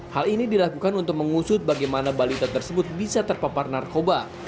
hal ini dilakukan untuk mengusut bagaimana balita tersebut bisa terpapar narkoba